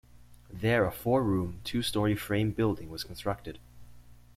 There a four-room, two-story frame building was constructed.